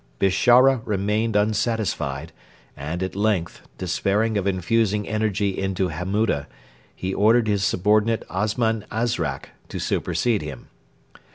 Bishara remained unsatisfied, and at length, despairing of infusing energy into Hammuda, he ordered his subordinate Osman Azrak to supersede him.